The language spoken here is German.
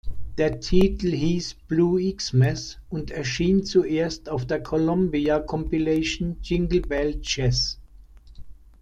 Der Titel hieß "Blue Xmas" und erschien zuerst auf der Columbia-Kompilation "Jingle Bell Jazz".